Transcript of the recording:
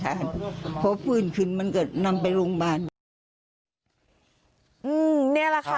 ฉันก็ไม่รู้มันจะเป็นอะไรหรอก